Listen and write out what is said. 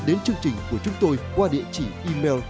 đến chương trình của chúng tôi qua địa chỉ email